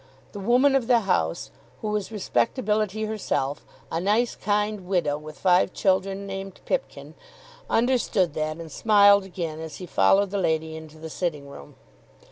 The woman of the house, who was respectability herself, a nice kind widow, with five children, named Pipkin, understood that and smiled again as he followed the lady into the sitting room.